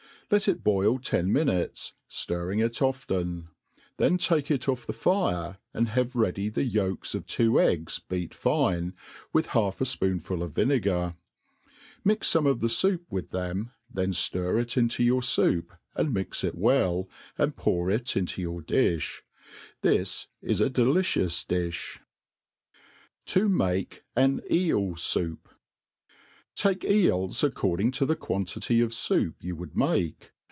Let it boil tea Biinutea, ftirrtng it often ; then take itf off the fire, an4 have yeady the yolks of two eggs beat fine, with half a fpoonful »f vinegar; mix forae of the foup with them, then fttr it into \our foup, and mix it well, and poar it iiUq your difli. Tlus is a delicious difli* ^ To^ maid am EiUZoup. TAKE eels according to the quantity of foup you would make.